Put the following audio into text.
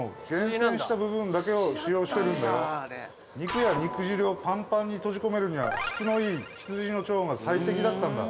肉や肉汁をパンパンに閉じ込めるには質のいい羊の腸が最適だったんだ。